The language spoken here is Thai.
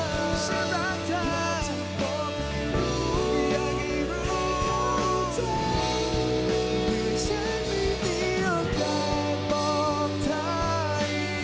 เพื่อฉันไม่มีโอกาสอยากจะบอกให้รู้ให้เข้าใจ